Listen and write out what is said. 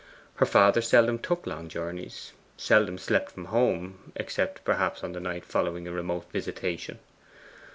Her father seldom took long journeys; seldom slept from home except perhaps on the night following a remote Visitation.